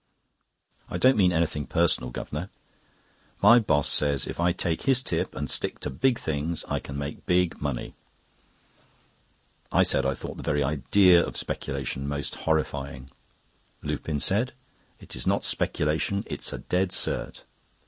I don't mean anything personal, Guv'nor. My boss says if I take his tip, and stick to big things, I can make big money!" I said I thought the very idea of speculation most horrifying. Lupin said "It is not speculation, it's a dead cert."